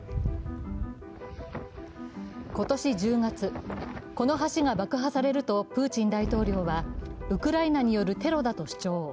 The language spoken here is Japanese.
今年１０月、この橋が爆破されるとプーチン大統領はウクライナによるテロだと主張。